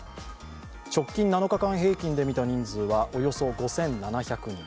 直近７日間平均で見た人数はおよそ５７００人。